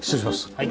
はい。